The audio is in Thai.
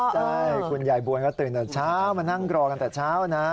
ใช่คุณยายบวนก็ตื่นแต่เช้ามานั่งรอกันแต่เช้านะ